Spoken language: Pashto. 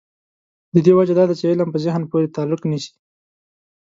د دې وجه دا ده چې علم په ذهن پورې تعلق نیسي.